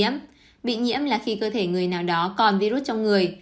truyền nhiễm là khi cơ thể người nào đó còn virus trong người